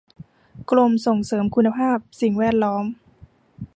กรมส่งเสริมคุณภาพสิ่งแวดล้อม